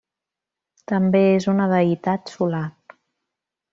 També és una deïtat solar.